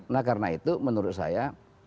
nah karena itu menurut saya